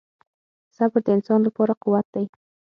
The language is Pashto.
• صبر د انسان لپاره قوت دی.